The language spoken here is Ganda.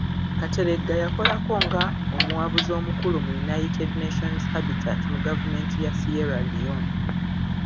Kateregga yakolako nga omuwabuzi omukulu mu United Nations Habitat mu gavumenti ya Sierra Leone.